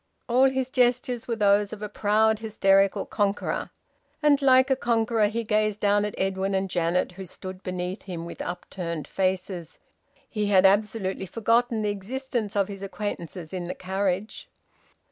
All his gestures were those of a proud, hysterical conqueror, and like a conqueror he gazed down at Edwin and Janet, who stood beneath him with upturned faces. He had absolutely forgotten the existence of his acquaintances in the carriage.